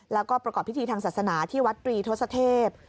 แล้วก็ประกอบพิธีทางศาสนาที่วัดตรีทศเทพ